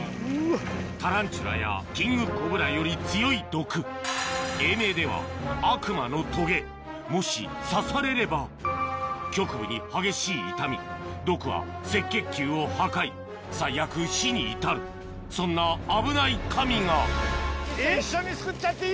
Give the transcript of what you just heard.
タランチュラやキングコブラより強い毒英名ではもし刺されれば局部に激しい痛み毒は赤血球を破壊最悪死に至るそんな危ない神がいいですか？